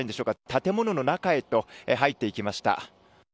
建物の中へと入っていきました。